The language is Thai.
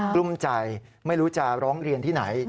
กลุ้มใจไม่รู้จะร้องเรียนที่ไหน